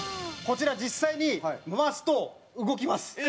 こちら実際に回すと動きます。